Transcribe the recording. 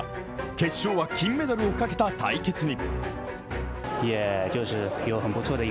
決勝は金メダルをかけた対決に。